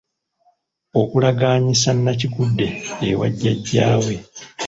Okulagaanyisa Nnakigudde ewa Jjajjaawe.